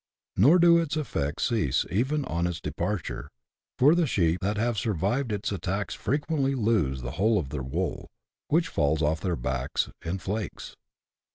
Nor do its effects cease even on its departure, for the sheep that have survived its attacks frequently lose the whole of their wool, which falls off their backs in flakes.